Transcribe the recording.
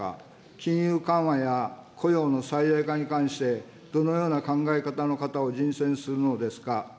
金融緩和や雇用の最大化に関してどのような考え方の方を人選するのですか。